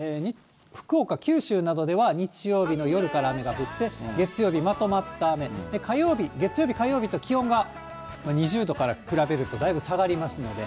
福岡、九州などでは日曜日の夜から雨が降って、月曜日、まとまった雨になって、火曜日、月曜日、火曜日と気温が２０度から比べるとだいぶ下がりますので。